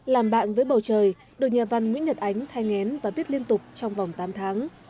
làm bạn với bầu trời được nhà văn nguyễn nhật ánh thay ngén và viết liên tục trong vòng tám tháng